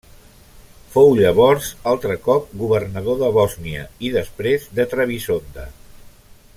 Fou llavors altre cop governador de Bòsnia i després de Trebisonda.